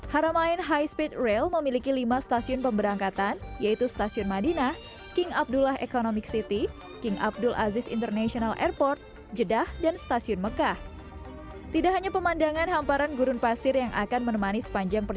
haramain high speed rail memiliki lima stasiun pemberangkatan